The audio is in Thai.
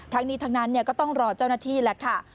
ทั้งนี้ทั้งนั้นก็ต้องรอเจ้าหน้าที่แหละค่ะ